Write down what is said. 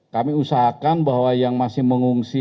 kami usahakan bahwa yang masih mengungsi